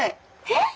えっ！？